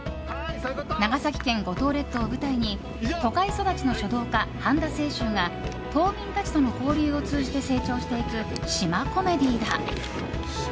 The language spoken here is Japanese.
長崎県五島列島を舞台に都会育ちの書道家・半田清舟が島民たちとの交流を通じて成長していく島コメディーだ。